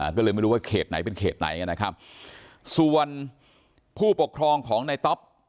ก็เลยไม่รู้ว่าเขตไหนเป็นเขตไหนนะครับส่วนผู้ปกครองของในต๊อป